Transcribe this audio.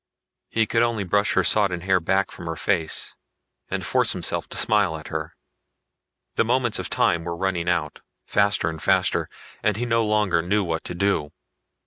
He could only brush her sodden hair back from her face, and force himself to smile at her. The moments of time were running out, faster and faster, and he no longer knew what to do.